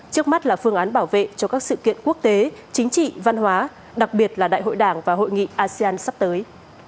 trước mắt là phương án bảo vệ cho các sự kiện quốc tế chính trị văn hóa đặc biệt là đại hội đảng và hội nghị asean sắp tới